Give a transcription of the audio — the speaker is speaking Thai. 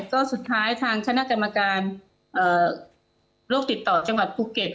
ก็สุดท้ายทางคณะกรรมการโรคติดต่อจังหวัดภูเก็ต